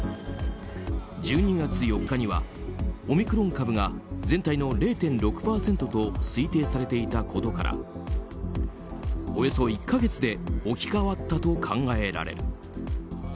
１２月４日にはオミクロン株が全体の０．６％と推定されていたことからおよそ１か月で置き換わったと考えられる。